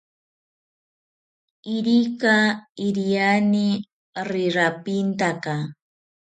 Irika iriani rirapintaka